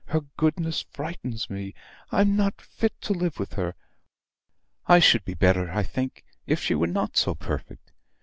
Her goodness frightens me. I'm not fit to live with her. I should be better I think if she were not so perfect.